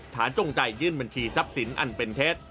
จงใจยื่นบัญชีทรัพย์สินอันเป็นเท็จ